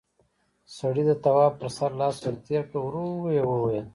سړي د تواب پر سر لاس ور تېر کړ، ورو يې وويل: